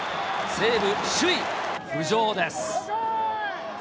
西武、首位浮上です。